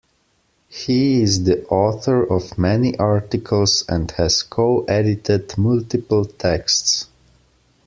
He is the author of many articles and has co-edited multiple texts.